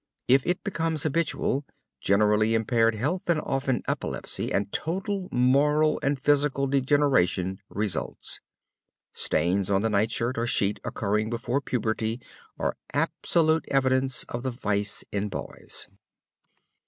If it becomes habitual, generally impaired health, and often epilepsy, and total moral and physical degradation results. Stains on the nightshirt or sheet occurring before puberty are absolute evidence of the vice in boys.